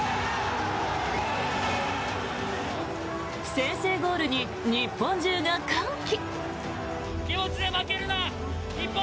先制ゴールに日本中が歓喜。